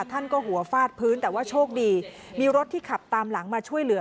ท่านก็หัวฟาดพื้นแต่ว่าโชคดีมีรถที่ขับตามหลังมาช่วยเหลือ